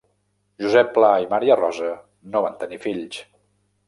Josep Pla i Maria Rosa no van tenir fills.